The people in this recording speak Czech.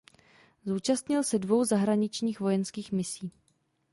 Zúčastnil se dvou zahraničních vojenských misí.